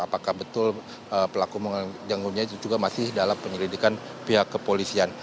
apakah betul pelaku mengalami gangguan jiwa itu juga masih dalam penyelidikan pihak kepolisian